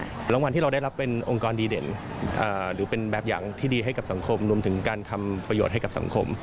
รางวัลที่เราได้รับเป็นองค์กรดีเด่นหรือเป็นแบบอย่างที่ดีให้กับสังคมรวมถึงการทำประโยชน์ให้กับสังคม